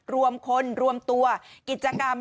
รวมคนรวมตัวกิจกรรม